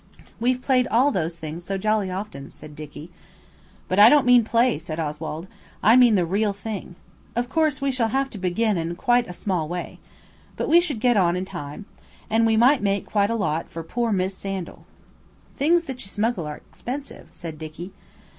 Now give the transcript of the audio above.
"We've played all those things so jolly often," said Dicky. "But I don't mean play," said Oswald. "I mean the real thing. Of course we should have to begin in quite a small way. But we should get on in time. And we might make quite a lot for poor Miss Sandal." "Things that you smuggle are expensive," said Dicky.